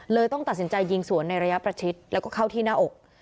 ต้องตัดสินใจยิงสวนในระยะประชิดแล้วก็เข้าที่หน้าอก